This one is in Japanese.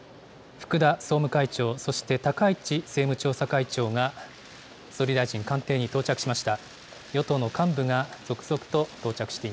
福田総務会長、そして高市政務調査会長が総理大臣官邸に到着しました。